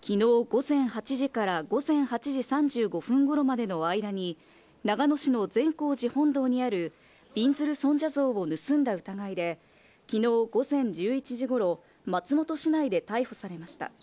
昨日、午前８時から午前８時３５分頃までの間に長野市の善光寺本堂にある、びんずる尊者像を盗んだ疑いで、昨日午前１１時頃、松本市内で逮捕されました。